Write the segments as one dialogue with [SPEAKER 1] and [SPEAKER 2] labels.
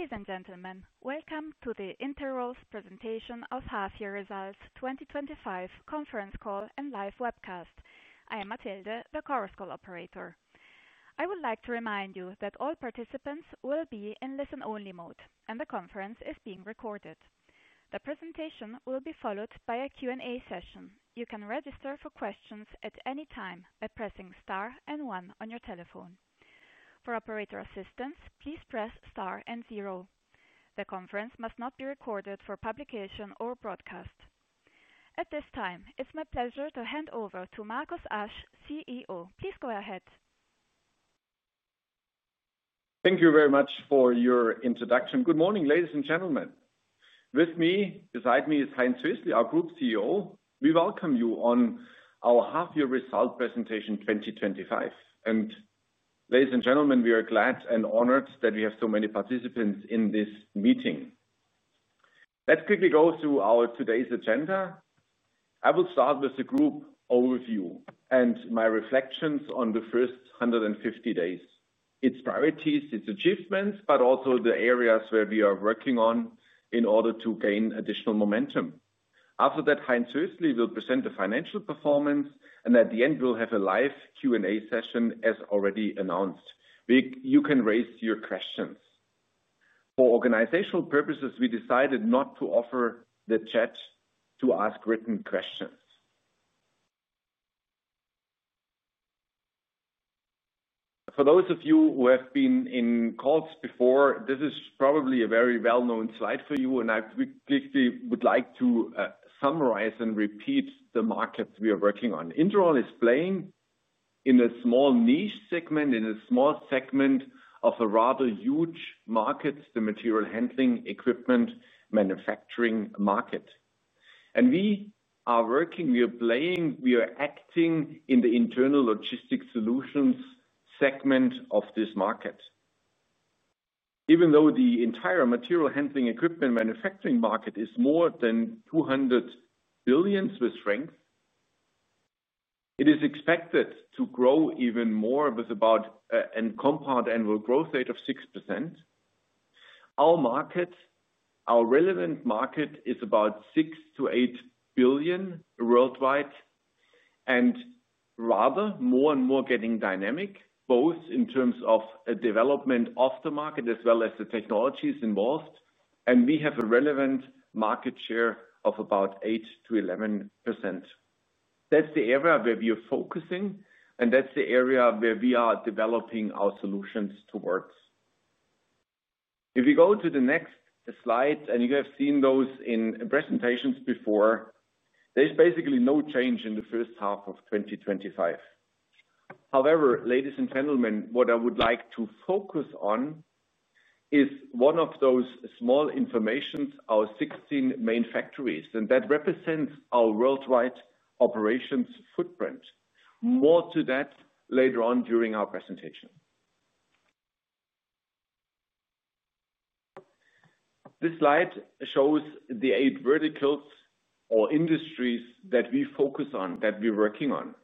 [SPEAKER 1] Ladies and gentlemen, welcome to the Interos Presentation of Half Year Results twenty twenty five Conference Call and Live Webcast. I am Matilde, the Chorus Call operator. I would like to remind you that all participants will be in listen only mode and the conference is being recorded. The presentation will be followed by a Q and A session. The conference must not be recorded for publication or broadcast. At this time, it's my pleasure to hand over to Markus Asch, CEO. Please go ahead.
[SPEAKER 2] Thank you very much for your introduction. Good morning, ladies and gentlemen. With me beside me is Heinz Wissler, our Group CEO. We welcome you on our half year results presentation 2025. And ladies and gentlemen, we are glad and honored that we have so many participants in this meeting. Let's quickly go through our today's agenda. I will start with the group overview and my reflections on the first one hundred and fifty days, its priorities, its achievements, but also the areas where we are working on in order to gain additional momentum. After that, Heinz Horsley will present the financial performance and at the end we'll have a live Q and A session as already announced. You can raise your questions. For organizational purposes, we decided not to offer the chat to ask written questions. For those of you who have been in calls before, this is probably a very well known slide for you and I quickly would like to summarize and repeat the markets we are working on. Interol is playing in a small niche segment, in a small segment of a rather huge market, the material handling equipment manufacturing market. And we are working, we are playing, acting in the internal logistics solutions segment of this market. Even though the entire Material Handling Equipment manufacturing market is more than 200,000,000,000, It is expected to grow even more with about a compound annual growth rate of 6%. Our market our relevant market is about 6,000,000,000 to €8,000,000,000 worldwide and rather more and more getting dynamic both in terms of a development of the market as well as the technologies involved. And we have a relevant market share of about 8% to 11%. That's the area where we are focusing and that's the area where we are developing our solutions towards. If we go to the next slide and you have seen those in presentations before, there's basically no change in the 2025. However, and gentlemen, what I would like to focus on is one of those small informations, our 16 main factories and that represents our worldwide operations footprint. More to that later on during our presentation. This slide shows the eight verticals or industries that we focus on, that we're working on.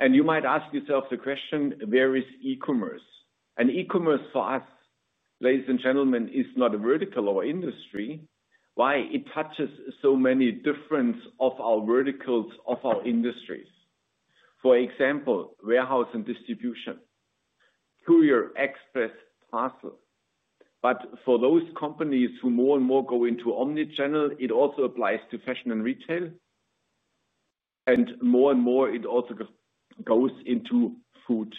[SPEAKER 2] And you might ask yourself the question, where is e commerce? And e commerce for us, ladies and gentlemen, is not a vertical or industry, why it touches so many different of our verticals of our industries. For example, warehouse and distribution, courier, express, parcel. But for those companies who more and more go into omni channel, it also applies to fashion and retail. And more and more, it also goes into food.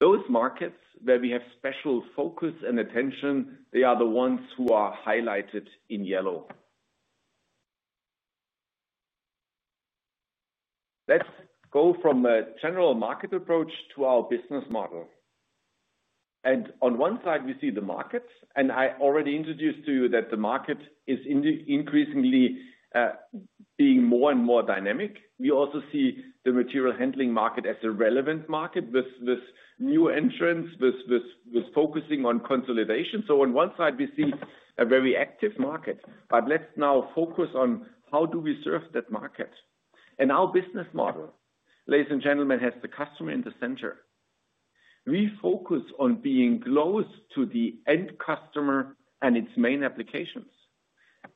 [SPEAKER 2] Those markets where we have special focus and attention, they are the ones who are highlighted in yellow. Let's go from a general market approach to our business model. And on one side, we see the markets. And I already introduced to you that the market is increasingly being more and more dynamic. We also see the Material Handling market as a relevant market with new entrants, focusing on consolidation. So on one side, we see a very active market. But let's now focus on how do we serve that market. And our business model, ladies and gentlemen, has the customer in the center. We focus on being close to the end customer and its main applications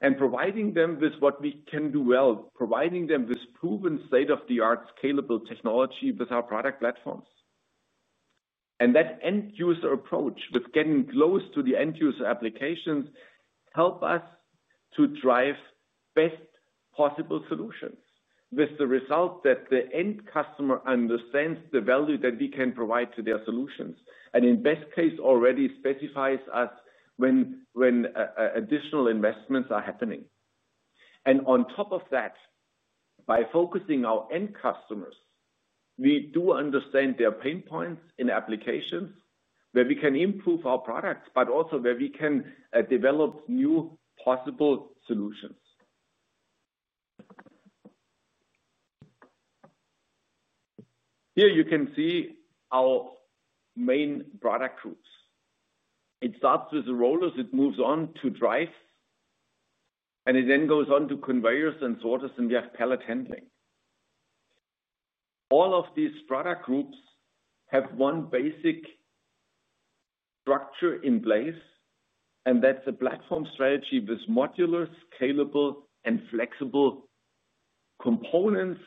[SPEAKER 2] and providing them with what we can do well, providing them with proven state of the art scalable technology with our product platforms. And that end user approach with getting close to the end user applications help us to drive best possible solutions with the result that the end customer understands the value that we can provide to their solutions. And in best case already specifies us when additional investments are happening. And on top of that, by focusing our end customers, we do understand their pain points in applications where we can improve our products, but also where we can develop new possible solutions. Here you can see our main product groups. It starts with rollers, it moves on to drive and it then goes on to conveyors and sorters and we have pellet handling. All of these product groups have one basic structure in place, and that's a platform strategy with modular, scalable and flexible components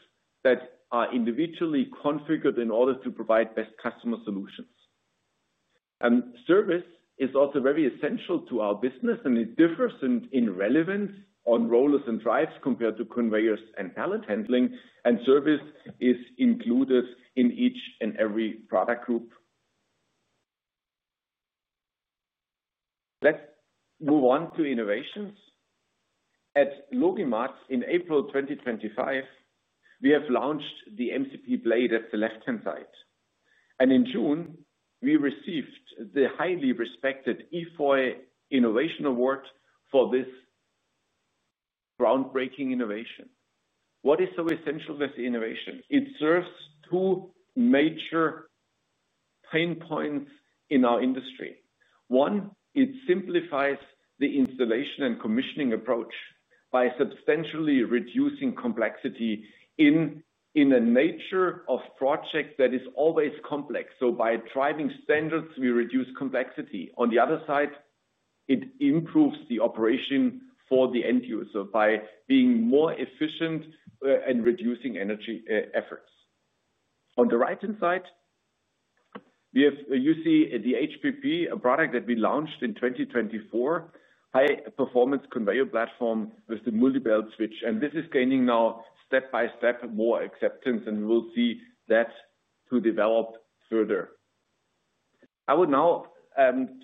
[SPEAKER 2] that are individually configured in order to provide best customer solutions. And service is also very essential to our business and it differs in relevance on rollers and drives compared to conveyors and pallet handling and service is included in each and every product group. Let's move on to innovations. At Logimatz in April 2025, we have launched the MCP Blade at the left hand side. And in June, we received the highly respected EFOI Innovation Award for this groundbreaking innovation. What is so essential with innovation? It serves two major pain points in our industry. One, it simplifies the installation and commissioning approach by substantially reducing complexity in a nature of projects that is always complex. So by driving standards, we reduce complexity. On the other side, it improves the operation for the end user by being more efficient and reducing energy efforts. On the right hand side, you see the HPP, a product that we launched in 2024, high performance conveyor platform with the multi belt switch. And this is gaining now step by step more acceptance and we'll see that to develop further. I would now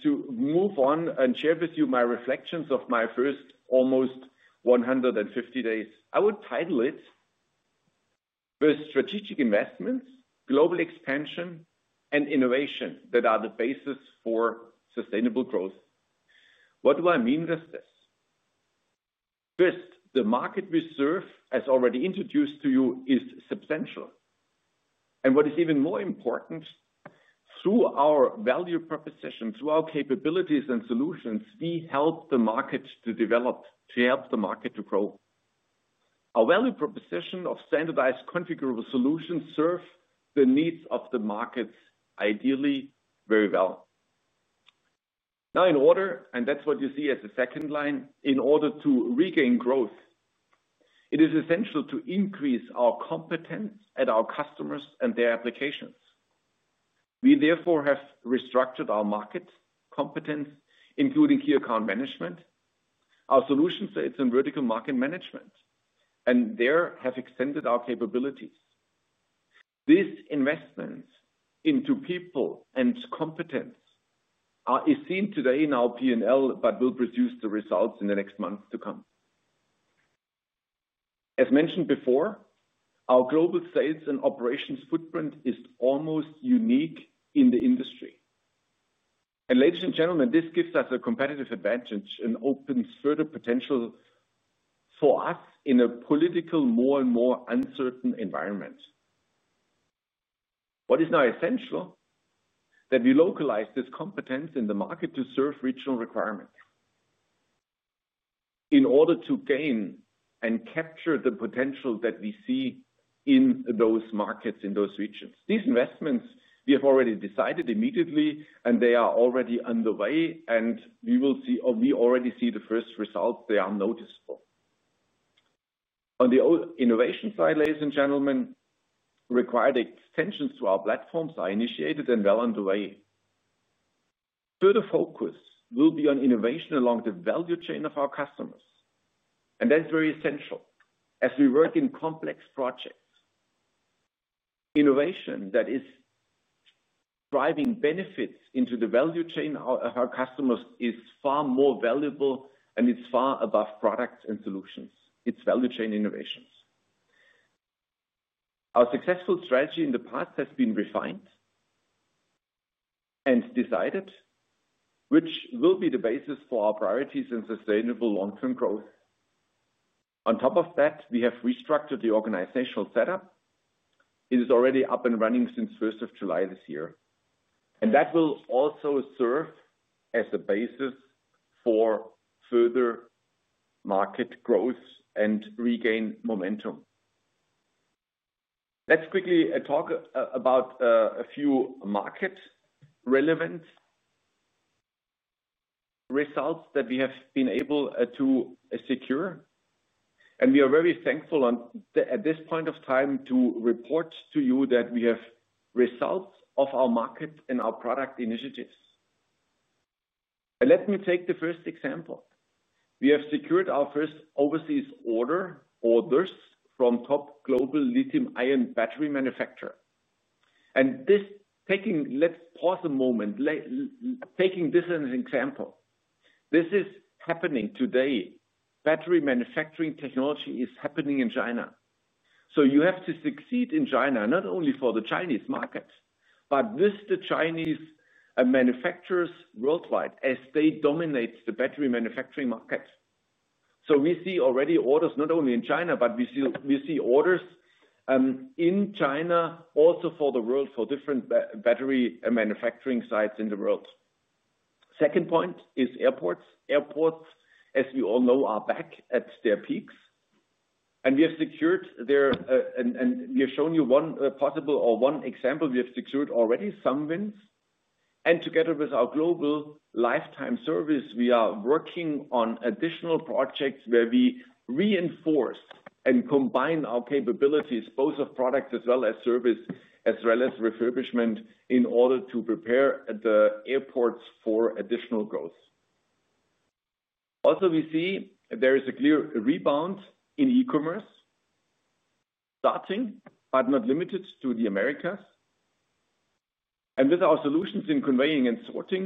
[SPEAKER 2] to move on and share with you my reflections of my first almost one hundred and fifty days. I would title it first strategic investments, global expansion and innovation that are the basis for sustainable growth. What do I mean with this? First, the market we serve, as already introduced to you, is substantial. And what is even more important, through our value proposition, through our capabilities and solutions, we help the market to develop to help the market to grow. Our value proposition of standardized configurable solutions serve the needs of the markets ideally very well. Now in order and that's what you see as the second line, in order to regain growth, it is essential to increase our competence at our customers and their applications. We therefore have restructured our market competence, including key account management, our solution sets and vertical market management and there have extended our capabilities. These investments into people and competence are seen today in our P and L, but will produce the results in the next months to come. As mentioned before, our global sales and operations footprint is almost unique in the industry. And ladies and gentlemen, this gives us a competitive advantage and opens further potential for us in a political more and more uncertain environment. What is now essential that we localize this competence in the market to serve regional requirements. In order to gain and capture the potential that we see in those markets in those regions. These investments we have already decided immediately and they are already underway and we will see or we already see the first results, they are noticeable. On the innovation side, ladies and gentlemen, required extensions to our platforms are initiated and well underway. Further focus will be on innovation along the value chain of our customers, and that's very essential as we work in complex projects. Innovation that is driving benefits into the value chain of our customers is far more valuable and it's far above products and solutions. It's value chain innovations. Our successful strategy in the past has been refined and decided, which will be the basis for our priorities and sustainable long term growth. On top of that, we have restructured the organizational setup. It is already up and running since July 1 year. And that will also serve as a basis for further market growth and regain momentum. Let's quickly talk about a few market relevant results that we have been able to secure. And we are very thankful at this point of time to report to you that we have results of our market and our product initiatives. Let me take the first example. We have secured our first overseas order orders from top global lithium ion battery manufacturer. And this taking let's pause a moment, taking this as an example. This is happening today. Battery manufacturing technology is happening in China. So you have to succeed in China, only for the Chinese market, but with the Chinese manufacturers worldwide as they dominate the battery manufacturing market. So we see already orders not only in China, but we see orders in China also for the world for different battery manufacturing sites in the world. Second point is airports. Airports, as we all know, are back at their peaks. And we have secured their and we have shown you one possible example, we have secured already some wins. And together with our global lifetime service, we are working on additional projects where we reinforce and combine our capabilities both of products as well as service as well as refurbishment in order to prepare the airports for additional growth. Also we see there is a clear rebound in e commerce starting, but not limited to The Americas. And with our solutions in conveying and sorting,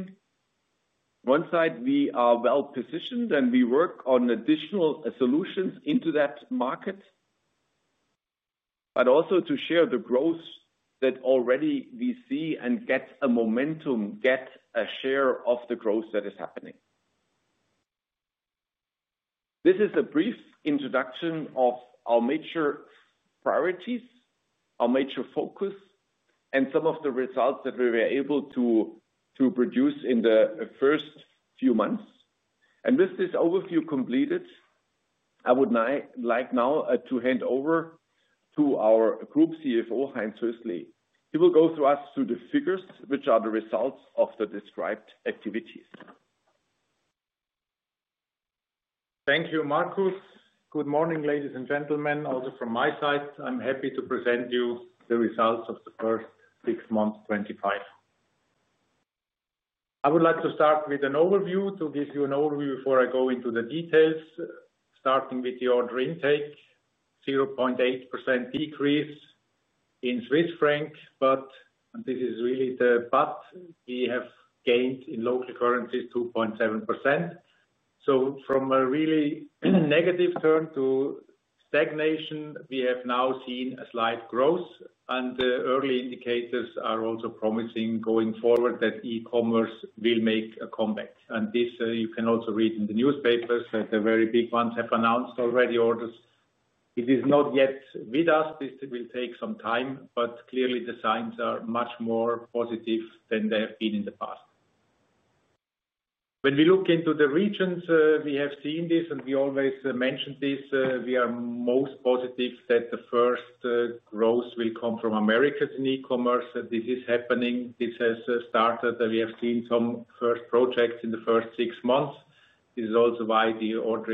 [SPEAKER 2] one side we are well positioned and we work on additional solutions into that market, but also to share the growth that already we see and get a momentum, get a share of the growth that is happening. This is a brief introduction of our major priorities, our major focus and some of the results that we were able to produce in the first few months. And with this overview completed, I would like now to hand over to our Group CFO, Heinz Hussle. He will go through us through the figures, which are the results of the described activities.
[SPEAKER 3] Thank you, Markus. Good morning, ladies and gentlemen. Also from my side, I'm happy to present you the results of the first six months 2025. I would like to start with an overview to give you an overview before I go into the details starting with the order intake, 0.8% decrease in Swiss francs, but this is really the path we have gained in local currencies 2.7%. So from a really negative turn to stagnation, we have now seen a slight growth. And early indicators are also promising going forward that e commerce will make a comeback. And this you can also read in the newspapers that the very big ones have announced already orders. It is not yet with us. This will take some time. But clearly the signs are much more positive than they have been in the past. When we look into the regions we have seen this and we always mentioned this we are most positive that the first growth will come from Americas in e commerce. This is happening. This has started. That we have seen some first projects in the first six months. This is also why the order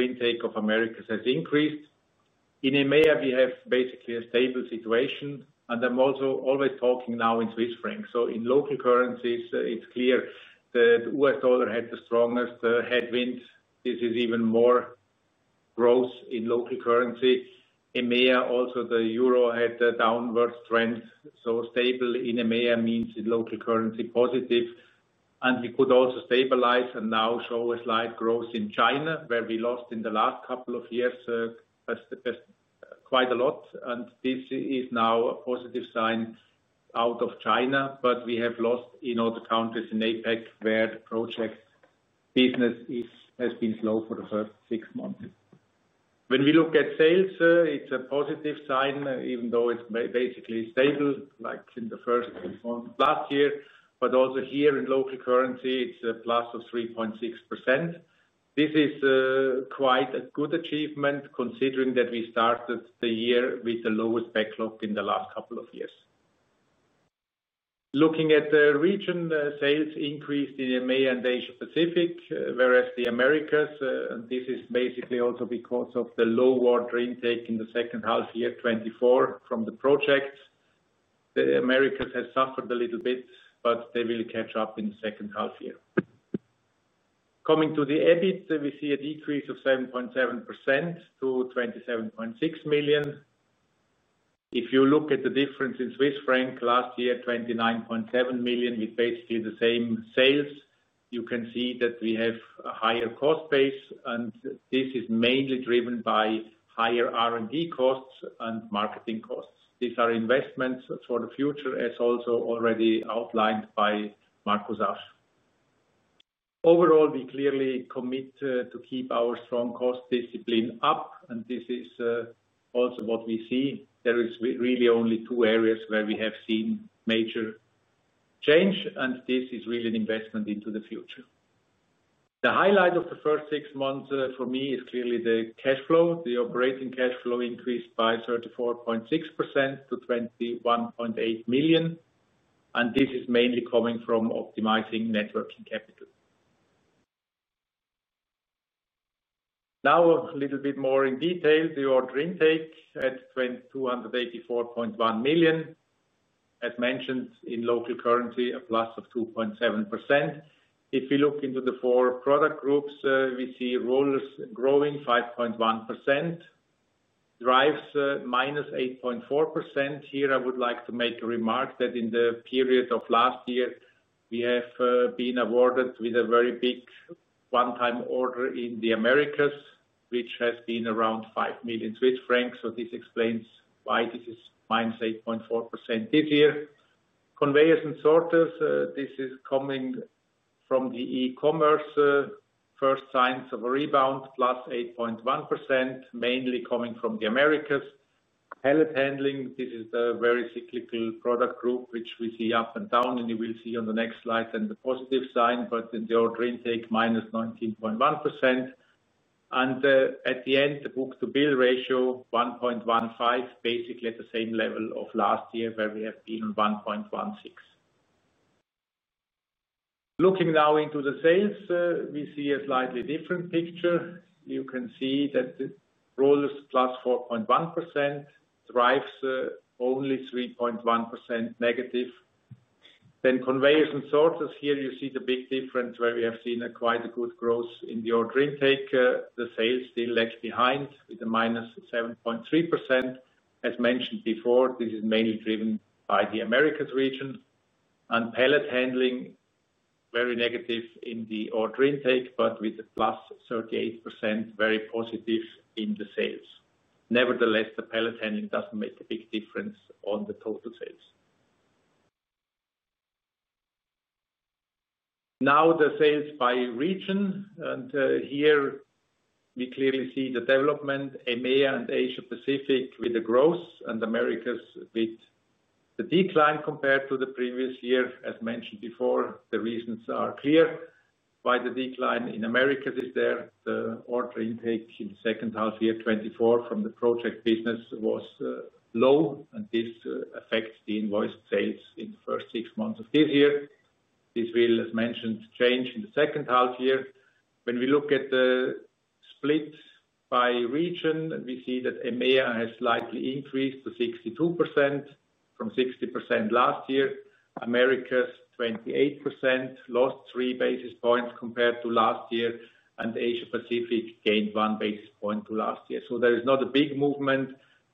[SPEAKER 3] intake of Americas has increased. In EMEA, we have basically a stable situation. And I'm also always talking now in Swiss francs. So in local currencies, it's clear that the U. Dollar had the strongest headwind. This is even more growth in local currency. EMEA also the euro had a downward trend. So stable in EMEA means in local currency positive. And we could also stabilize and now show a slight growth in China where we lost in the last couple of years quite a lot. And this is now a positive sign out of China, but we have lost in all the countries in APAC where the project business is has been slow for the first six months. When we look at sales, it's a positive sign even though it's basically stable like in the first six months last year. But also here in local currency, it's a plus of 3.6%. This is quite a good achievement considering that we started the year with the lowest backlog in the last couple of years. Looking at the region sales increased in EMEA and Asia Pacific whereas The Americas this is basically also because of the low water intake in the second half year twenty twenty four from the project. The Americas has suffered a little bit, but they will catch up in the second half year. Coming to the EBIT, we see a decrease of 7.7% to 27,600,000.0. If you look at the difference in Swiss franc last year 29,700,000.0 with basically the same sales, You can see that we have a higher cost base and this is mainly driven by higher R and D costs and marketing costs. These are investments for the future as also already outlined by Markus Asch. Overall, we clearly commit to keep our strong cost discipline up and this is also what we see. There is really only two areas where we have seen major change and this is really an investment into the future. The highlight of the first six months for me is clearly the cash flow. The operating cash flow increased by 34.6% to 21.8 million and this is mainly coming from optimizing net working capital. Now a little bit more in detail, the order intake at 284.1 million as mentioned in local currency a plus of 2.7%. If we look into the four product groups, we see rollers growing 5.1%, drives minus 8.4%. Here I would like to make a remark that in the period of last year, we have been awarded with a very big one time order in The Americas which has been around 5 million Swiss francs. So this explains why this is minus 8.4% this year. Conveyors and sorters this is coming from the e commerce first signs of a rebound plus 8.1% mainly coming from The Americas. Pallet handling this is the very cyclical product group which we see up and down and you will see on the next slide and the positive sign, but in the order intake minus 19.1%. And at the end the book to bill ratio 1.15 basically at the same level of last year where we have been 1.16. Looking now into the sales, we see a slightly different picture. You can see that rollers plus 4.1% drives only 3.1% negative. Then Conveyors and Sorters here you see the big difference where we have seen quite a good growth in the order intake. The sales still lag behind with a minus 7.3%. As mentioned before, this is mainly driven by the Americas region. And pellet handling very negative in the order intake, but with a plus 38% very positive in the sales. Nevertheless, the pellet handling doesn't make a big difference on the total sales. Now the sales by region. And here we clearly see the development EMEA and Asia Pacific with the growth and Americas with the decline compared to the previous year. As mentioned before, the reasons are clear. By the decline in Americas is there, the order intake in the second half year twenty twenty four from the project business was low and this affects the invoice sales in the first six months of this year. This will as mentioned change in the second half year. When we look at the split by region, we see that EMEA has slightly increased to 62% from 60% last year. Americas 28% lost three basis points compared to last year and Asia Pacific gained one basis point to last year. So there is not a big movement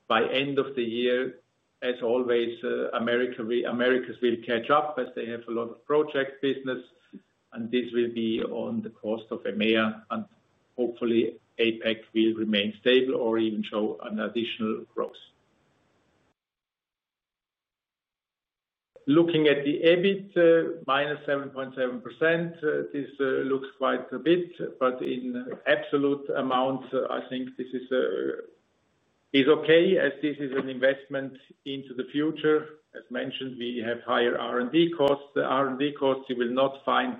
[SPEAKER 3] by end of the year. As always, Americas will catch up as they have a lot of project business and this will be on the cost of EMEA. And hopefully APAC will remain stable or even show an additional growth. Looking at the EBIT minus 7.7% this looks quite a bit. But in absolute amounts I think this is okay as this is an investment into the future. As mentioned, we have higher R and D costs. The R and D costs you will not find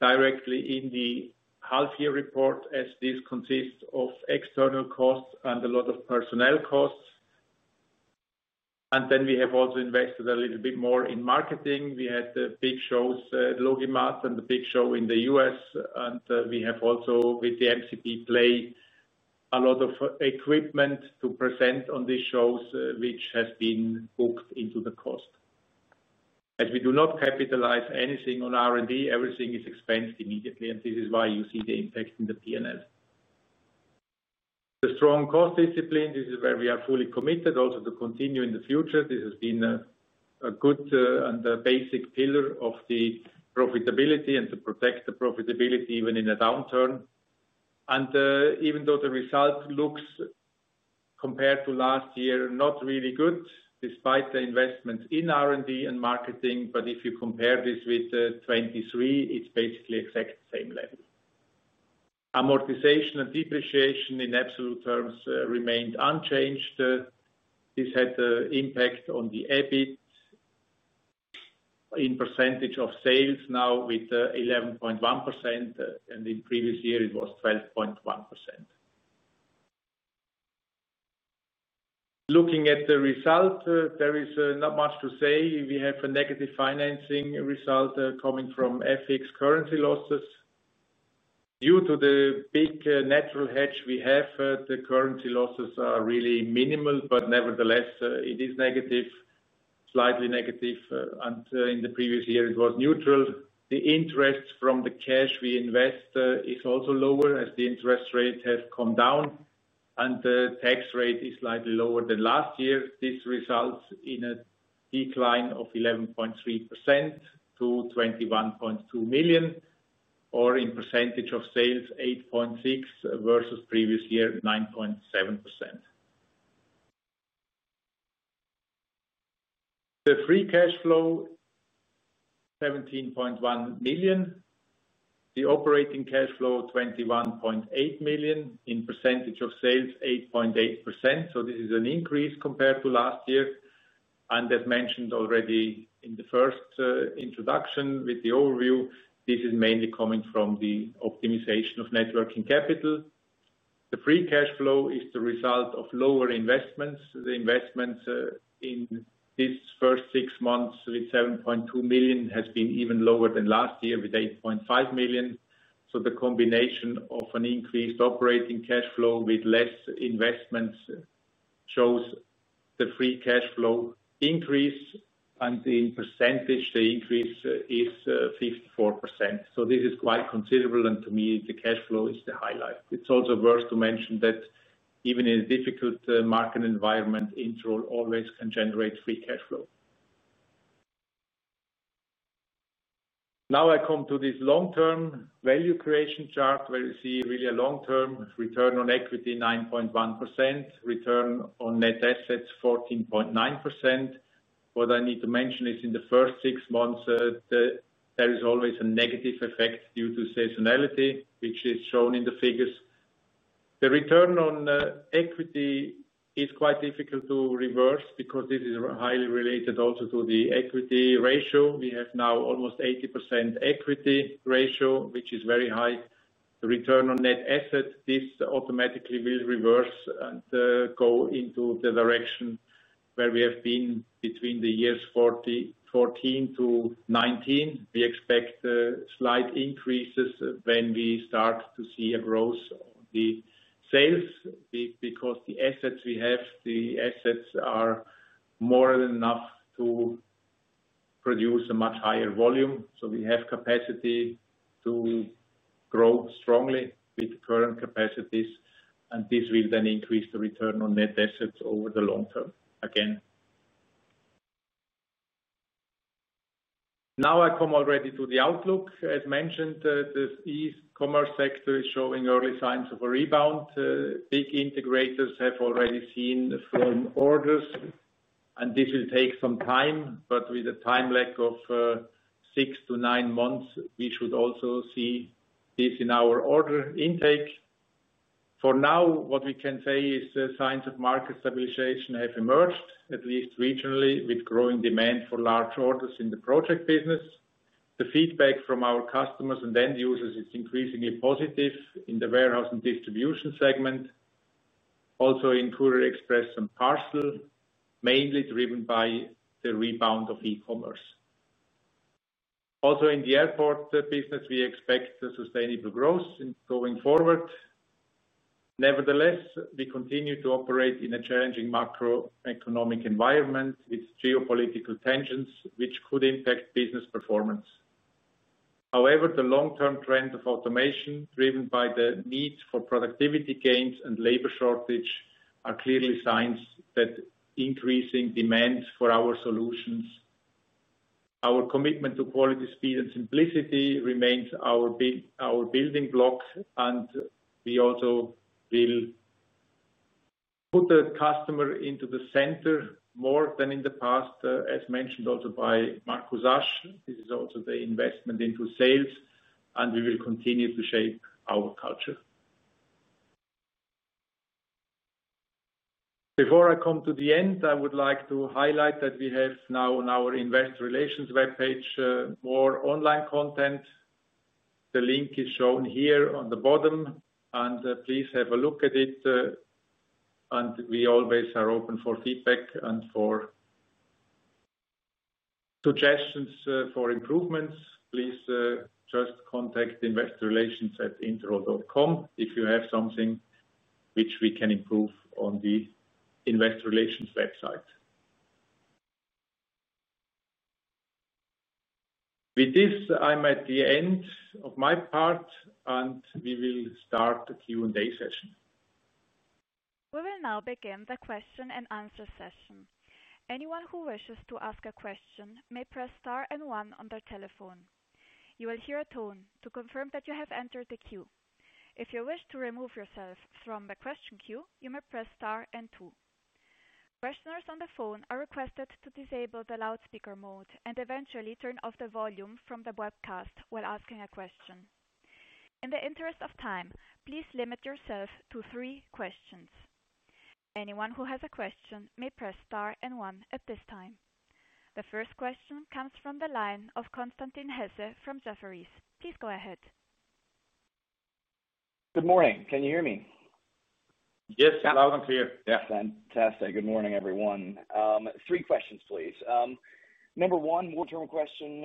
[SPEAKER 3] directly in the half year report as this consists of external costs and a lot of personnel costs. And then we have also invested a little bit more in marketing. We had the big shows at Logimat and the big show in The U. S. And we have also with the MCP play a lot of equipment to present on these shows which has been booked into the cost. As we do not capitalize anything on R and D everything is expensed immediately and this is why you see the impact in the P and L. The strong cost discipline this is where we are fully committed also to continue in the future. This has been a good and basic pillar of the profitability and to protect the profitability even in a downturn. And even though the result looks compared to last year not really good despite the investments in R and D and marketing. But if you compare this with 23,000,000 it's basically exact same level. Amortization and depreciation in absolute terms remained unchanged. This had impact on the EBIT in percentage of sales now with 11.1% and in previous year it was 12.1%. Looking at the result, there is not much to say. We have a negative financing result coming from FX currency losses. Due to the big natural hedge we have the currency loss are really minimal, but nevertheless it is negative slightly negative. And in the previous year it was neutral. The interest from the cash we invest is also lower as the interest rate has come down and the tax rate is slightly lower than last year. This results in a decline of 11.3% to 21,200,000.0 or in percentage of sales 8.6% versus previous year 9.7. The free cash flow €17,100,000 the operating cash flow 21,800,000.0 in percentage previous of sales 8.8%. So this is an increase compared to last year. And as mentioned already in the first introduction with the overview, this is mainly coming from the optimization of net working capital. The free cash flow is the result of lower investments. The investments in this first six months with 7,200,000.0 has been even lower than last year with 8,500,000.0. So the combination of an increased operating cash flow with less investments shows the free cash flow increase and in percentage the increase is 54%. So this is quite considerable and to me the cash flow is the highlight. It's also worth to mention that even in a difficult market environment Intro always can generate free cash flow. Now I come to this long term value creation chart where you see really a long term return on equity 9.1% return on net assets 14.9%. What I need to mention is in the first six months there is always a negative effect due to seasonality which is shown in the figures. The return on equity is quite difficult to reverse because this is highly related also to the equity ratio. We have now almost 80% equity ratio, which is very high return on net assets. This automatically will reverse and go into the direction where we have been between the years 2014 to 2019. We expect slight increases when we start to see a growth of the sales because the assets we have, the assets are more than enough to produce a much higher volume. So we have capacity to grow strongly with current capacities and this will then increase the return on net assets over the long term again. Now I come already to the outlook. As mentioned, the e commerce sector is showing early signs of a rebound. Big integrators have already seen the firm orders. And this will take some time. But with a time lag of six to nine months, we should also see this in our order intake. For now what we can say is signs of market stabilization have emerged at least regionally with growing demand for large orders in the project business. The feedback from our customers and end users is increasingly positive in the warehouse and distribution segment also in Courier Express and Parcel mainly driven by the rebound of e commerce. Also in the airport business, we expect a sustainable growth going forward. Nevertheless, we continue to operate in a challenging macroeconomic environment with geopolitical tensions, which could impact business performance. However, the long term trend of automation driven by the need for productivity gains and labor shortage are clearly signs that increasing demand for our solutions. Our commitment to quality, speed and simplicity remains our building blocks and we also will put the customer into the center more than in the past as mentioned also by Markus Aschen. This is also the investment into sales and we will continue to shape our culture. Before I come to the end, I would like to highlight that we have now on our Investor Relations webpage more online content. The link is shown here on the bottom and please have a look at it. And we always are open for feedback and for suggestions for improvements. Please just contact investorrelationsintro dot com if you have something which we can improve on the Investor Relations website. With this, I'm at the end of my part and we will start the Q and A session.
[SPEAKER 1] We will now begin the question and answer session. Session. Questioners on the phone are requested to disable the loudspeaker The first question comes from the line of Konstantin Hesse from Jefferies. Please go ahead.
[SPEAKER 4] Good morning. Can you hear me?
[SPEAKER 3] Yes, loud and clear.
[SPEAKER 4] Good morning, everyone. Three questions, please. Number one, more general question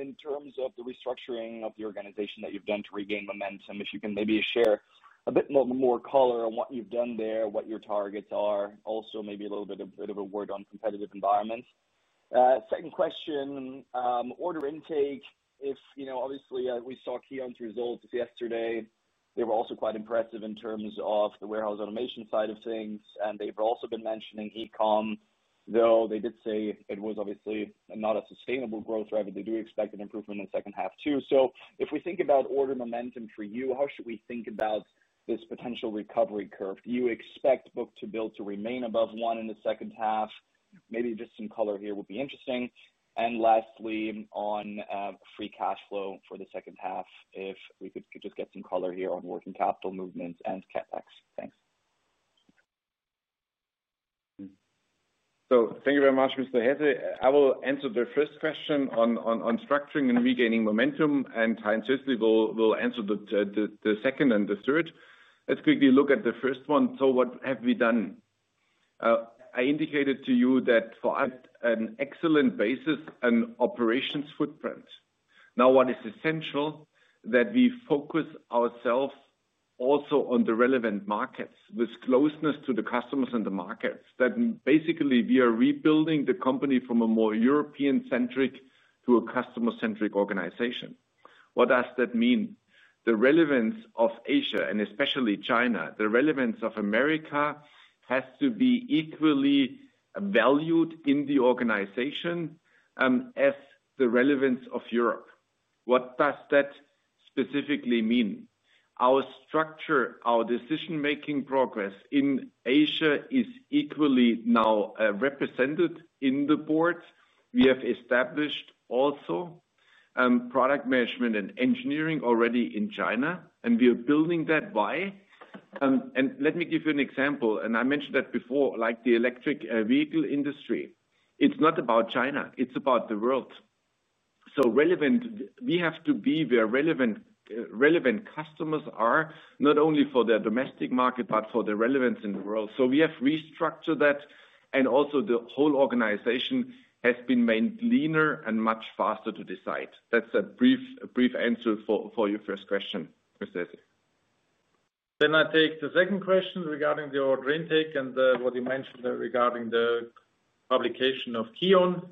[SPEAKER 4] in terms of the restructuring of the organization that you've done to regain momentum. If you can maybe share a bit more color on what you've done there, what your targets are? Also maybe a little bit of a word on competitive environment. Second question, order intake, if obviously, we saw Keyence results yesterday. They were also quite impressive in terms of the warehouse automation side of things, and they've also been mentioning ecom, though they did say it was obviously not a sustainable growth driver, they do expect an improvement in the second half, too. So if we think about order momentum for you, how should we think about this potential recovery curve? Do you expect book to bill to remain above one in the second half? Maybe just some color here would be interesting. And lastly, on free cash flow for the second half, if we could just get some color here on working capital movements and CapEx. Thanks.
[SPEAKER 2] So thank you very much, Mr. Hesse. I will answer the first question on structuring and regaining momentum and Heinz Hestli will answer the second and the third. Let's quickly look at the first one. So what have we done? I indicated to you that for us an excellent basis and operations footprint. Now what is essential that we focus ourselves also on the relevant markets with closeness to the customers and the markets that basically we are rebuilding the company from a more European centric to a customer centric organization. What does that mean? The relevance of Asia and especially China, the relevance of America has to be equally valued in the organization, as the relevance of Europe. What does that specifically mean? Our structure, our decision making progress in Asia is equally now represented in the board. We have established also product management and engineering already in China and we are building that by. And let me give you an example and I mentioned that before like the electric vehicle industry, it's not about China, it's about the world. So relevant we have to be where relevant customers are not only for their domestic market, but for the relevance in the world. So we have restructured that and also the whole organization has been made leaner and much faster to decide. That's a brief answer for your first question, Josef.
[SPEAKER 3] Then I take the second question regarding the order intake and what you mentioned regarding the publication of KION.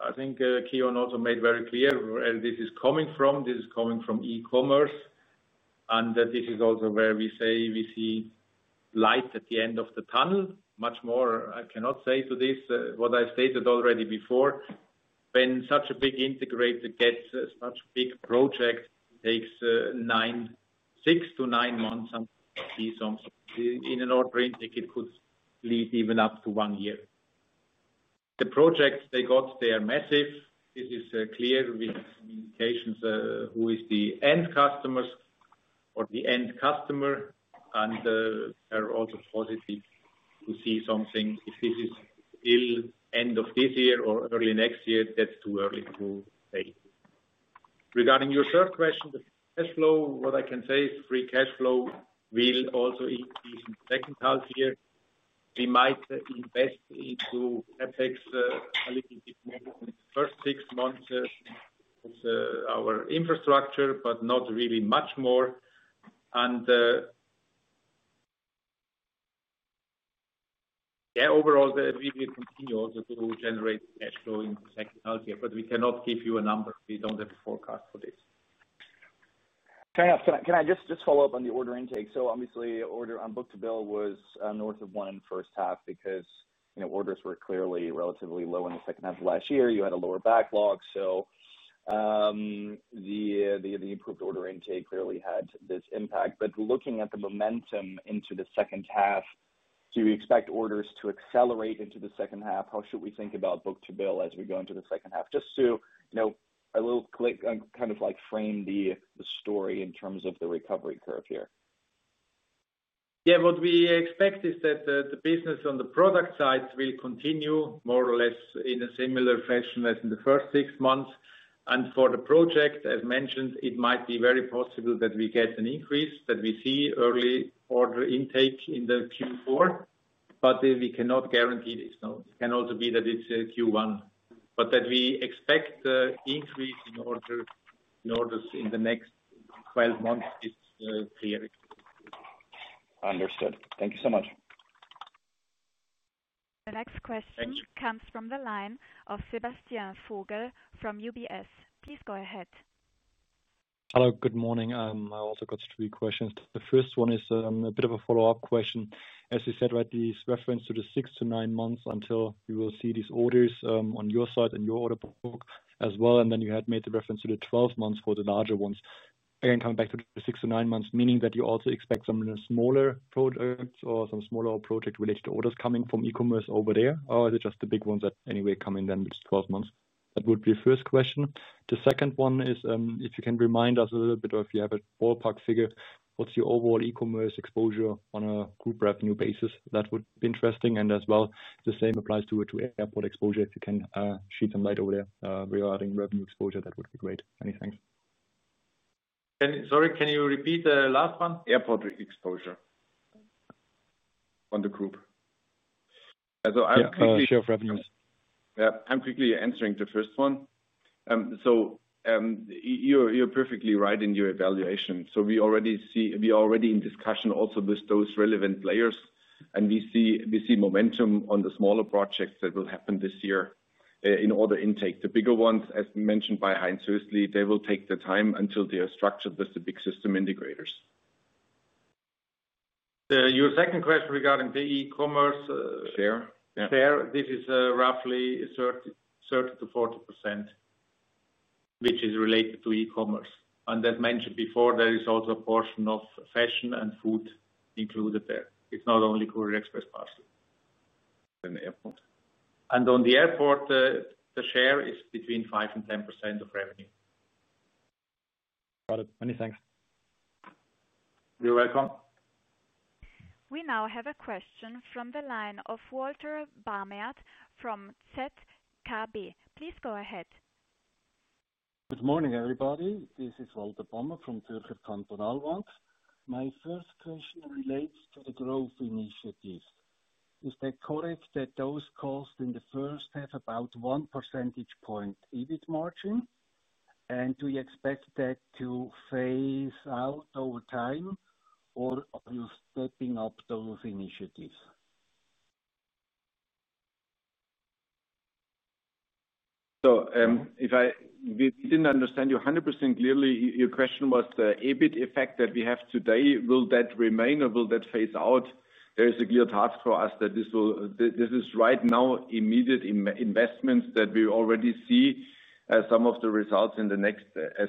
[SPEAKER 3] I think Kion also made very clear where this is coming from. This is coming from e commerce. And this is also where we say we see light at the end of the tunnel much more I cannot say to this what I stated already before When such a big integrator gets such big project takes nine six to nine months and see some in an order intake it could lead even up to one year. The projects they got they are massive. This is clear with communications who is the end customers or the end customer and are also positive to see something if this is still end of this year or early next year that's too early to say. Regarding your third question, the free cash flow, what I can say is free cash flow will also increase in the second half year. We might invest into FX a little bit more in the first six months as our infrastructure, but not really much more. And yes, overall, we will continue also to generate cash flow in second half year, but we cannot give you a number. We don't have a forecast for this.
[SPEAKER 4] Fair enough. Can I just follow-up on the order intake? So obviously order on book to bill was north of one in the first half because orders were clearly relatively low in the second half of last year. You had a lower backlog. So improved order intake clearly had this impact. But looking at the momentum into the second half, do you expect orders to accelerate into the second half? How should we think about book to bill as we go into the second half? Just to a little click and kind of like frame the story in terms of the recovery curve here.
[SPEAKER 3] Yes. What we expect is that the business on the product side will continue more or less in a similar fashion as in the first six months. And for the project as mentioned, it might be very possible that we get an increase that we see early order intake in the Q4, but we cannot guarantee this. It can also be that it's Q1. But that we expect the increase in order in orders in the next twelve months is clear.
[SPEAKER 4] Understood. Thank you so much.
[SPEAKER 1] Next question comes from the line of Sebastian Vogel from UBS. Please go ahead.
[SPEAKER 5] Hello, good morning. I also got three questions. The first one is a bit of a follow-up question. As you said, right, these reference to the six to nine months until we will see these orders on your side and your order book as well. And then you had made the reference to the 12 for the larger ones. Again, coming back to the six to nine months, meaning that you also expect some of the smaller projects or some smaller project related orders coming from e commerce over there? Or are they just the big ones that anyway coming then in twelve months? That would be the first question. The second one is, if you can remind us a little bit or if you have a ballpark figure, what's your overall e commerce exposure on a group revenue basis? That would be interesting. And as well, the same applies to airport exposure, if you can shed some light over there regarding revenue exposure, that would be great. Thanks.
[SPEAKER 3] Sorry, can you repeat the last one?
[SPEAKER 2] Airport exposure on the group.
[SPEAKER 5] I'm quickly Yes, share of revenues.
[SPEAKER 2] Yes, I'm quickly answering the first one. So you're perfectly right in your evaluation. So we already see we're already in discussion also with those relevant players and we momentum on the smaller projects that will happen this year in order intake. The bigger ones as mentioned by Heinz, firstly they will take the time until they are structured with the big system integrators.
[SPEAKER 3] Your second question regarding the e commerce this is roughly 30 to 40% which is related to e commerce. And as mentioned before there is also a portion of fashion and food included there. It's not only Courier Express parcel in the airport. And on the airport, the share is between 510% of revenue.
[SPEAKER 5] Got it. Many thanks.
[SPEAKER 3] You're welcome.
[SPEAKER 1] We now have question from the line of Walter Baumert from Z. C. A. Please go ahead.
[SPEAKER 6] Good morning, everybody. This is Walter Baumert from Zurcher Kantonalwag. My first question relates to the growth initiatives. Is that correct that those costs in the first half about one percentage point EBIT margin? And do you expect that to phase out over time or are you stepping up those initiatives?
[SPEAKER 2] So if I we didn't understand you 100% clearly. Your question was the EBIT effect that we have today, will that remain or will that phase out? There is a clear task for us that this will this is right now immediate investments that we already see some of the results in the next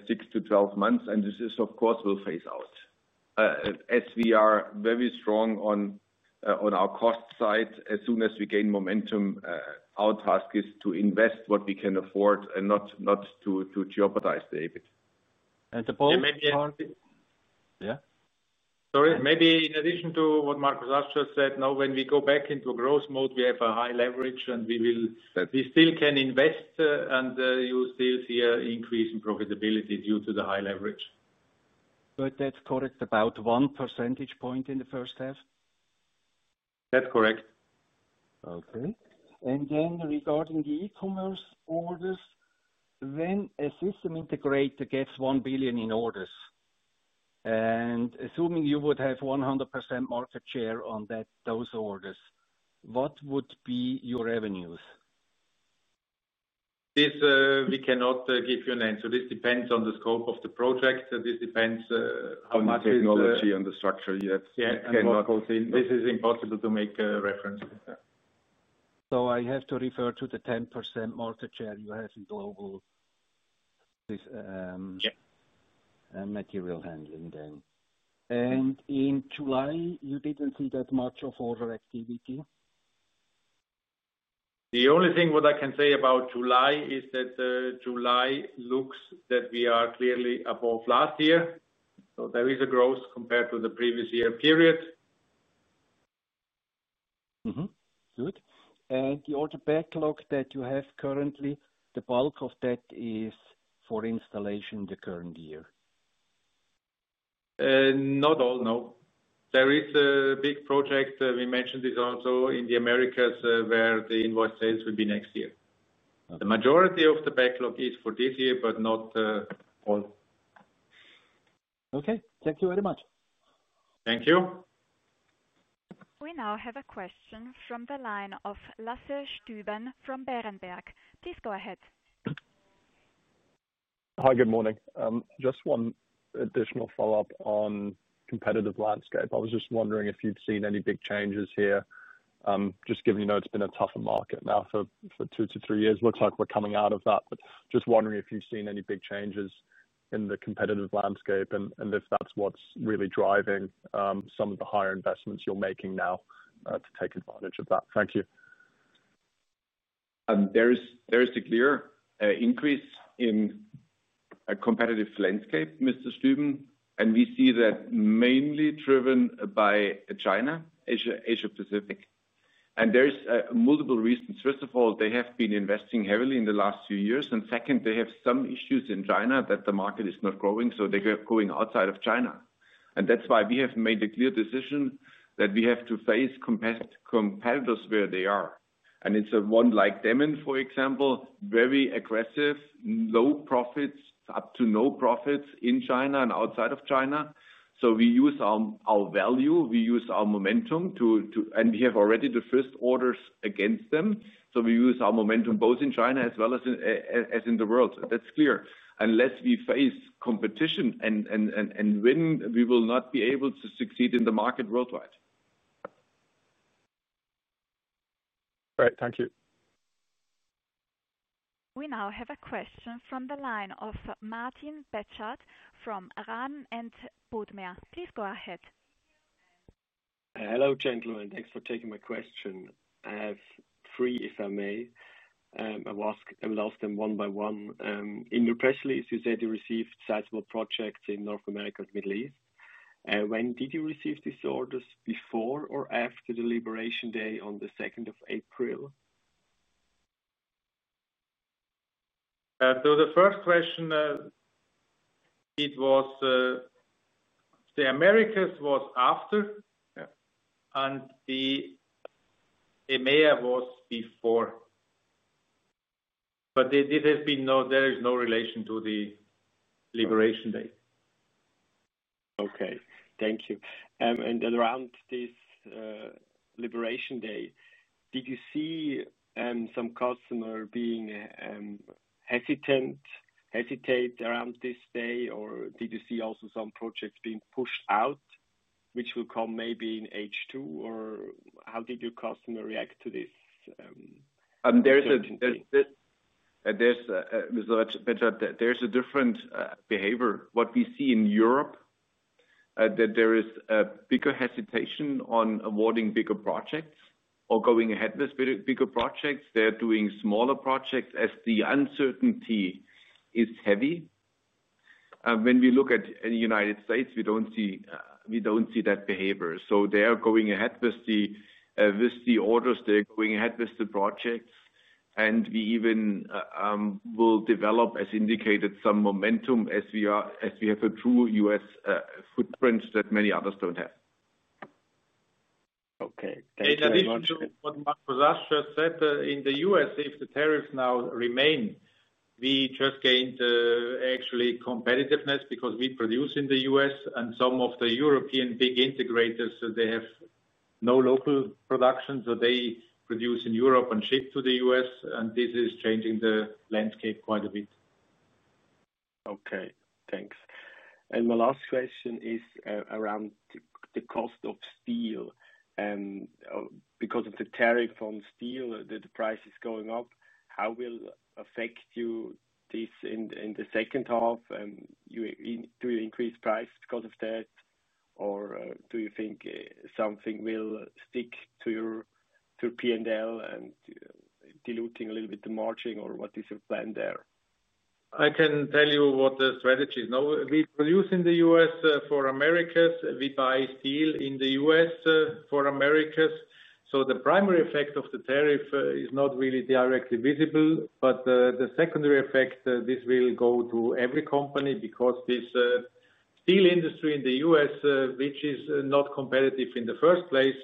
[SPEAKER 2] six to twelve months. And this is of course will phase out As we are very strong on our cost side, as soon as we gain momentum, our task is to invest what we can afford and not to jeopardize the EBIT.
[SPEAKER 3] And the both And maybe Sorry, maybe in addition to what Markus Ascher said, now when we go back into growth mode, have a high leverage and we will we still can invest and you still see an increase in profitability due to the high leverage.
[SPEAKER 6] But that's correct about one percentage point in the first half?
[SPEAKER 3] That's correct.
[SPEAKER 6] Okay. And then regarding the e commerce orders, when a system integrator gets 1 billion in orders and assuming you would have 100% market share on that those orders, what would be your revenues?
[SPEAKER 3] This we cannot give you an answer. This depends on
[SPEAKER 2] the scope of the project. This depends on the technology and the structure, yes.
[SPEAKER 3] What goes in, this is impossible to make a reference.
[SPEAKER 6] So I have to refer to the 10% market share you have in global And Material Handling in July, you didn't see that much of order activity?
[SPEAKER 3] The only thing what I can say about July is that July looks that we are clearly above last year. So there is a growth compared to the previous year period.
[SPEAKER 6] Good. And the order backlog that you have currently, the bulk of that is for installation in the current year?
[SPEAKER 3] Not all, no. There is a big project. We mentioned this also in The Americas where the invoice sales will be next year. The majority of the backlog is for this year, but not all.
[SPEAKER 6] Okay. Thank you very much.
[SPEAKER 3] Thank you.
[SPEAKER 1] We now have a question from the line of Lasse Stuban from Berenberg. Please go ahead.
[SPEAKER 7] Hi, good morning. Just one additional follow-up on competitive landscape. I was just wondering if you've seen any big changes here, just given you know it's been a tougher market now for two to three years. Looks like we're coming out of that. But just wondering if you've seen any big changes in the competitive landscape and if that's what's really driving some of the higher investments you're making now to take advantage of that? Thank you.
[SPEAKER 2] There is a clear increase in a competitive landscape Mr. Stueben. And we see that mainly driven by China, Asia Pacific. And there's multiple reasons. First of all, they have been investing heavily in the last few years. And second, they have some issues in China that the market is not growing, so they're outside of China. And that's why we have made a clear decision that we have to face competitors where they are. And it's one like DEMEN for example, very aggressive low profits up to no profits in China and outside of China. So we use our value, we use our momentum to and we have already the first orders against them. So we use our momentum both in China as well as in the world. That's clear. Unless we face competition and win, we will not be able to succeed in the market worldwide.
[SPEAKER 7] Great. Thank you.
[SPEAKER 1] We now have a question from the line of Martin Bedshard from Rahn and Budmeer. Please go ahead.
[SPEAKER 8] Hello, gentlemen. Thanks for taking my question. I have three, if I may. I will ask them one by one. In your press release, you said you received sizable projects in North America and Middle East. When did you receive these orders before or after the Liberation Day on the April 2?
[SPEAKER 3] So the first question, it was The Americas was after and the EMEA was before. But there has been no there is no relation to the Liberation Day.
[SPEAKER 8] Okay. Thank you. And then around this Liberation Day, did you see some customer being hesitant hesitate around this day? Or did you see also some projects being pushed out, which will come maybe in H2? Or how did your customer react to this?
[SPEAKER 2] There's a there's a different behavior. What we see in Europe that there is a bigger hesitation on awarding bigger projects or going ahead with bigger projects. They are doing smaller projects as the uncertainty is heavy. When we look at The United States, we don't see that behavior. So they are going ahead with the orders, they're going ahead with the projects. And we even will develop as indicated some momentum as we have a true U. S. Footprint that many others don't have.
[SPEAKER 8] Okay.
[SPEAKER 3] then very what Vasj just said in The U. S. If the tariffs now remain, we just gained actually competitiveness because we produce in The U. S. And some of the European big integrators they have no local production. So they produce in Europe and ship to The U. S. And this is changing the landscape quite a bit.
[SPEAKER 8] Okay. Thanks. And my last question is around the cost of steel. And because of the tariff on steel, the price is going up. How will affect you this in the second half? Do you increase price because of that? Or do you think something will stick to your P and L and diluting a little bit the margin? Or what is your plan there?
[SPEAKER 3] I can tell you what the strategy is. Now we produce in The U. S. For Americas. We buy steel in The U. S. For Americas. So the primary effect of the tariff is not really directly visible. But the secondary effect this will go to every company because this steel industry in The U. S. Which is not competitive in the first place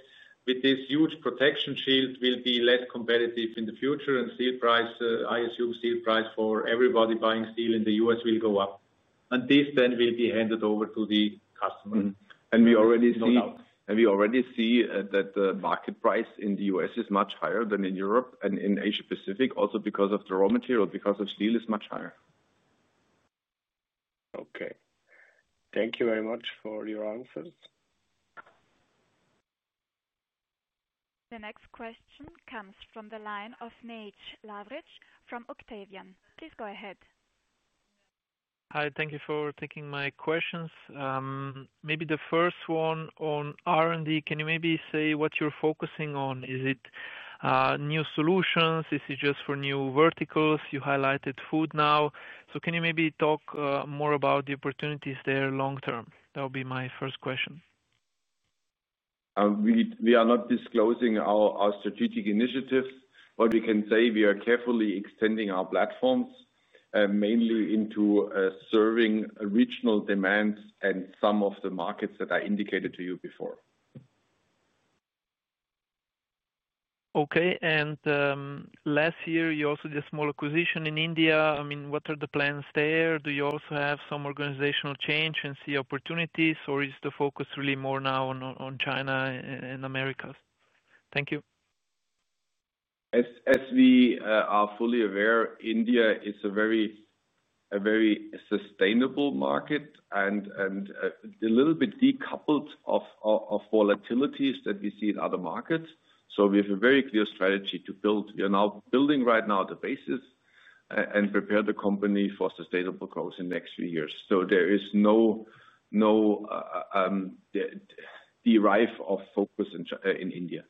[SPEAKER 3] with this huge protection shield will be less competitive in the future and steel price I assume steel price for everybody buying steel in The U. S. Will go up. And this then will be handed over to the customer. We already see that
[SPEAKER 2] the market price in The U. S. Is much higher than in Europe. And in Asia Pacific also because of the raw material because of steel is much higher.
[SPEAKER 8] Okay. Thank you very much for your answers.
[SPEAKER 1] The next question comes from the line of Nej Lavrej from Octavian. Please go ahead.
[SPEAKER 9] Hi, thank you for taking my questions. Maybe the first one on R and D. Can you maybe say what you're focusing on? Is it new solutions? Is it just for new verticals? You highlighted Food Now. Can you maybe talk more about the opportunities there long term? That will be my first question.
[SPEAKER 2] We are not disclosing our strategic initiatives. What we can say we are carefully extending our platforms mainly into serving regional demands and some of the markets that I indicated to you before.
[SPEAKER 9] Okay. And last year you also did a small acquisition in India. I mean what are the plans there? Do you also have some organizational change and see opportunities? Or is the focus really more now on China and Americas? Thank you.
[SPEAKER 2] As we are fully aware, India is a very sustainable market and a little bit decoupled of volatilities that we see in other markets. So we have a very clear strategy to build. We are now building right now the basis and prepare the company for sustainable growth in the next few years. So there is no derive of focus in India.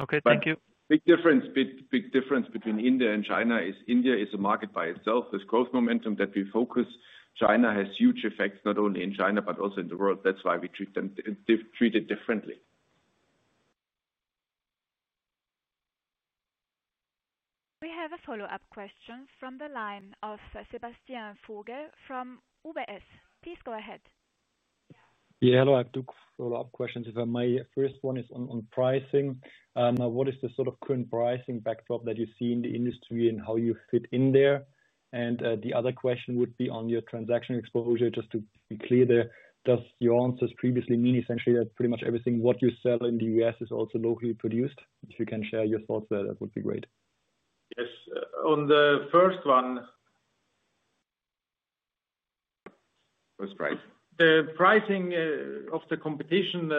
[SPEAKER 9] Okay.
[SPEAKER 2] difference between India and China is India is a market by itself. This growth momentum that we focus China has huge effects not only in China, but also in the world. That's why we treat them treated differently.
[SPEAKER 1] We have a follow-up question from the line of Sebastian Vogtle from UBS. Please go ahead.
[SPEAKER 5] Yes. Hello. I have two follow-up questions, if I may. First one is on pricing. What is the sort of current pricing backdrop that you see in the industry and how you fit in there? And the other question would be on your transaction exposure. Just to be clear there, does your answers previously mean essentially that pretty much everything what you sell in The U. S. Is also locally produced? If you can share your thoughts there, that would be great.
[SPEAKER 3] Yes. On the first one, the pricing of the competition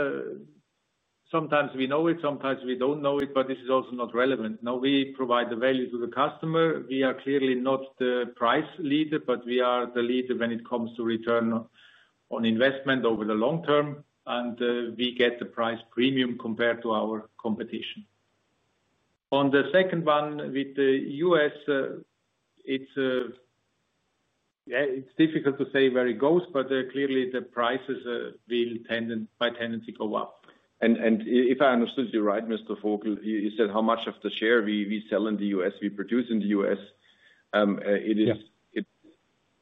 [SPEAKER 3] sometimes we know it, sometimes we don't know it, but this is also not relevant. Now we provide the value to the customer. We are clearly not the price leader, but we are the leader when it comes to return on investment over the long term. And we get the price premium compared to our competition. On the second one with The U. S, it's difficult to say where
[SPEAKER 2] it goes, but clearly the prices will by tendency go up. And if I understood you right Mr. Vogel, you said how much of the share we sell in The U. S, we produce in The U. S.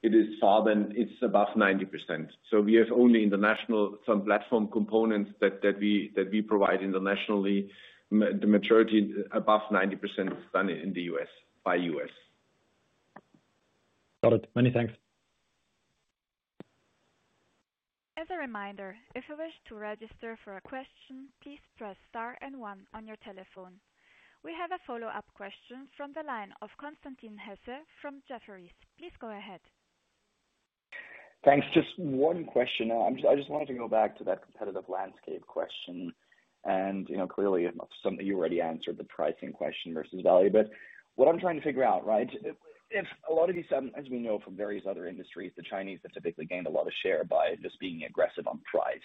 [SPEAKER 2] Is far than it's above 90%. So we have only international some platform components that we provide internationally. The maturity above 90% is done in The U. S. By U. S.
[SPEAKER 5] Got it. Many thanks.
[SPEAKER 1] We have a follow-up question from the line of Konstantin Hesse from Jefferies. Please go ahead.
[SPEAKER 4] Thanks. Just one question. I just wanted to go back to that competitive landscape question. And clearly, you already answered the pricing question versus value. But what I'm trying to figure out, right, if a lot of these, as we know from various other industries, the Chinese have typically gained a lot of share by just being aggressive on price.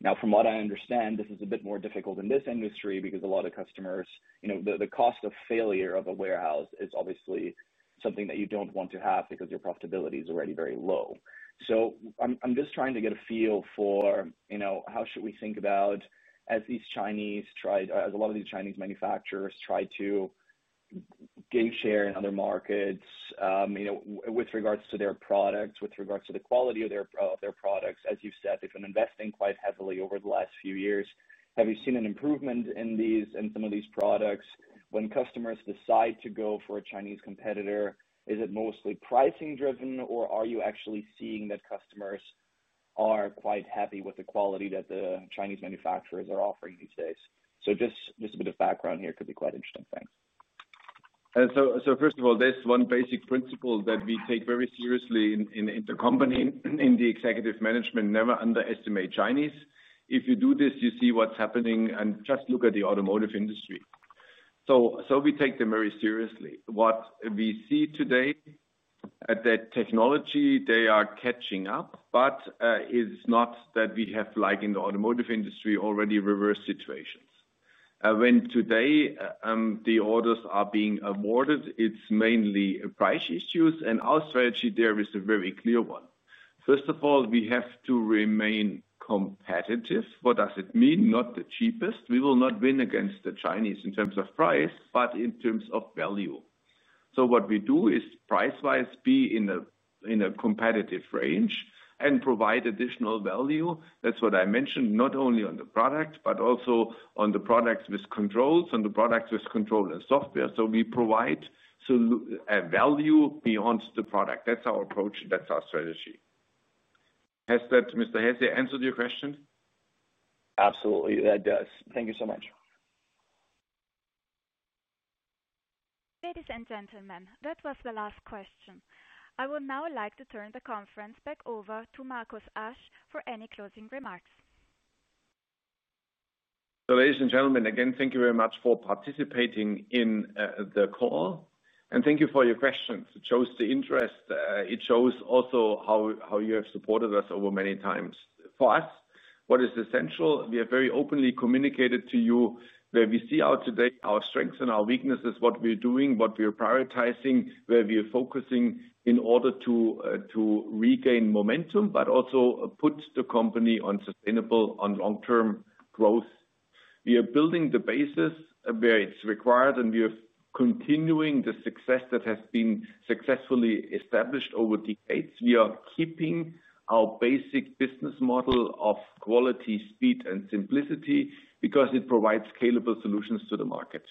[SPEAKER 4] Now from what I understand, this is a bit more difficult in this industry because a lot of customers the cost of failure of a warehouse is obviously something that you don't want to have because your profitability is already very low. So I'm just trying to get a feel for how should we think about as these Chinese tried as a lot of these Chinese manufacturers try to gain share in other markets with regards to their products, with regards to the quality of their products. As you've said, they've been investing quite heavily over the last few years. Have you seen an improvement in these and some of these products? When customers decide to go for a Chinese competitor, is it mostly pricing driven? Or are you actually seeing that customers are quite happy with the quality that Chinese manufacturers are offering these days? So just a bit of background here could be quite interesting. Thanks.
[SPEAKER 2] So first of all, there's one basic principle that we take very seriously in company, in the executive management never underestimate Chinese. If you do this, you see what's happening and just look at the automotive industry. So we take them very seriously. What we see today at that technology they are catching up, but it's not that we have like in the automotive industry already reverse situations. When today, the orders are being awarded, it's mainly price issues and our strategy there is a very clear one. First of all, we have to remain competitive. What does it mean? Not the cheapest. We will not win against the Chinese in terms of price, but in terms of value. So what we do is price wise be in a competitive range and provide additional value. That's what I mentioned not only on the product, but also on the products with controls and the products with control and software. So we provide a value beyond the product. That's our approach. That's our strategy. Has that Mr. Hasse answered your question?
[SPEAKER 4] Absolutely. That does. Thank you so much.
[SPEAKER 1] Ladies and gentlemen, that was the last question. I would now like to turn the conference back over to Markus Asch for any closing remarks.
[SPEAKER 2] So ladies and gentlemen, again, you very much for participating in the call, And thank you for your questions. It shows the interest. It shows also how you have supported us over many times. For us, what is essential, we have very openly communicated to you where we see out to date our strengths and our weaknesses, what we're doing, what we are prioritizing, where we are focusing in order to regain momentum, but also put the company on sustainable and long term growth. We are building the basis where it's required and we are continuing the success that has been successfully established over decades. We are keeping our basic business model of quality, speed and simplicity because it provides scalable solutions to the market.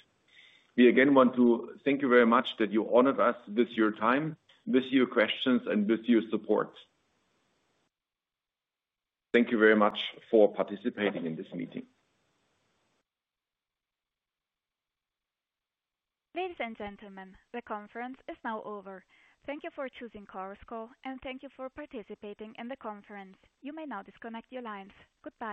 [SPEAKER 2] We again want to thank you very much that you honored us with your time, with your questions and with your support. Thank you very much for participating in this meeting.
[SPEAKER 1] Ladies and gentlemen, the conference is now over. Thank you for choosing Chorus Call and thank you for participating in the conference. You may now disconnect your lines. Goodbye.